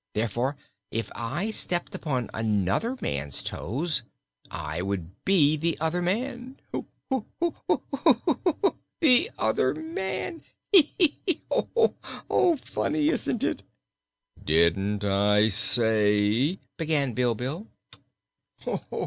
Therefore, if I stepped upon another man's toes, I would be the other man. Hoo, hoo, hoo! the other man hee, hee, heek keek eek! Funny, isn't it?" "Didn't I say " began Bilbil.